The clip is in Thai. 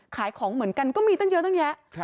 ขายของเหมือนกันก็มีตั้งเยอะตั้งแยะ